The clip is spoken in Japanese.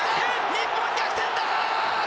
日本、逆転だ！